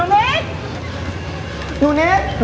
นูนิท